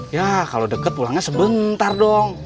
ya kalau deket pulangnya sebentar dong